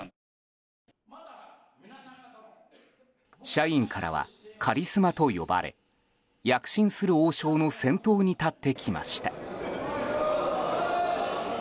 社員からはカリスマと呼ばれ躍進する王将の先頭に立ってきました。